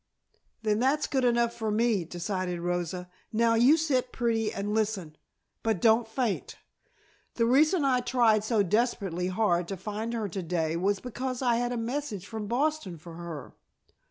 "Then that's good enough for me," decided Rosa. "Now you sit pretty and listen, but don't faint. The reason I tried so desperately hard to find her to day was because I had a message from Boston for her.